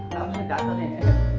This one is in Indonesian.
kamu datang nih